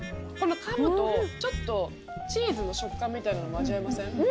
このかむとちょっとチーズの食感みたいなのも味わえません？